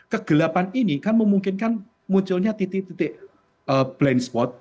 kegelapan ini kan memungkinkan munculnya titik titik blind spot